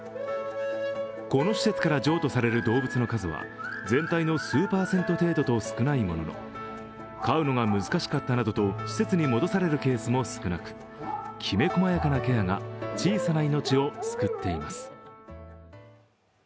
この施設から譲渡される動物の数は全体の数パーセント程度と少ないものの、飼うのが難しかったなどと施設に戻されることも少なくきめ細やかなケアが小さな命を救っています。